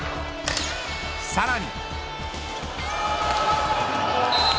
さらに。